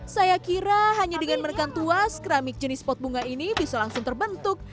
saya kira hanya dengan menekan tuas keramik jenis pot bunga ini bisa langsung terbentuk